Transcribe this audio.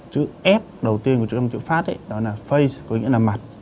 chữ f đầu tiên của chữ phát đó là face có nghĩa là mặt